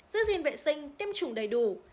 giữ gìn vệ sinh tiêm chủng đầy đủ